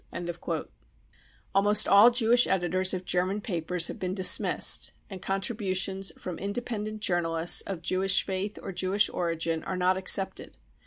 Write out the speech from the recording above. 39 Almost all Jewish editors of German papers have Been dismissed, and contributions from independent journalists of Jewish faith or Jewish origin are not accepted.